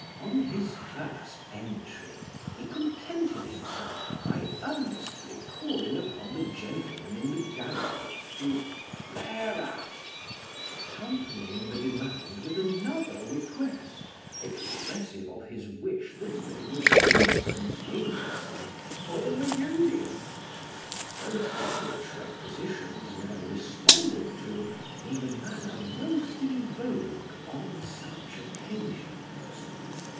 On his first entry, he contented himself by earnestly calling upon the gentlemen in the gallery to " flare up," accompanying the demand with another request, expressive of his wish that they would instantaneously " form a union," both which requisitions were responded to, in the manner most in vogue on such occasions.